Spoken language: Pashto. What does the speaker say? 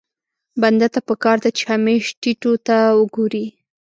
بنده ته پکار ده چې همېش ټيټو ته وګوري.